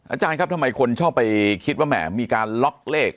อาจารย์ครับทำไมคนชอบไปคิดว่าแหมมีการล็อกเลข